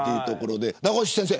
名越先生